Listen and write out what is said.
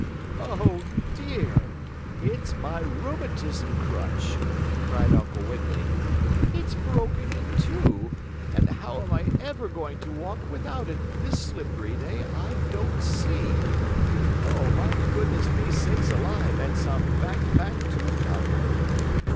"Oh, dear! It's my rheumatism crutch," cried Uncle Wiggily. "It's broken in two, and how am I ever going to walk without it this slippery day I don't see. Oh, my goodness me sakes alive and some bang bang tooth powder!"